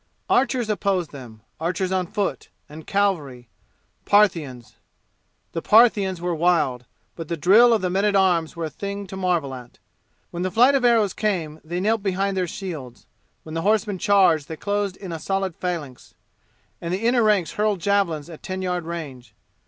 Archers opposed them archers on foot, and cavalry Parthians. The Parthians were wild, but the drill of the men at arms was a thing to marvel at. When the flights of arrows came they knelt behind their shields. When the horsemen charged they closed in solid phalanx, and the inner ranks hurled javelins at ten yard range.